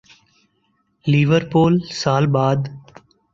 Liverpool سال بعد